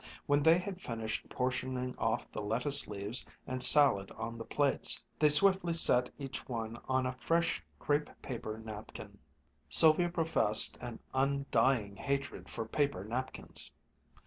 When they had finished portioning off the lettuce leaves and salad on the plates, they swiftly set each one on a fresh crêpe paper napkin. Sylvia professed an undying hatred for paper napkins.